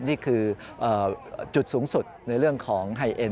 นี่คือจุดสูงสุดในเรื่องของไฮเอ็น